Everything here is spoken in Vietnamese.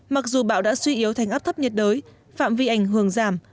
mặc dù bão đã suy yếu thành áp thấp nhiệt đới phạm vi ảnh hưởng giảm